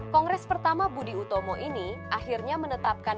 kongres pertama budi utomo ini akhirnya menetapkan